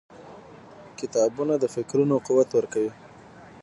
• کتابونه د فکرونو قوت ورکوي.